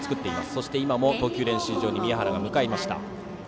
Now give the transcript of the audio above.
そして今も投球練習場に宮原は向かいました。